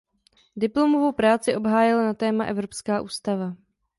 Diplomovou práci obhájil na téma "Evropská ústava".